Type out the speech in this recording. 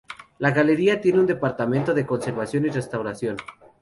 La galería tiene un departamento de conservación y restauración.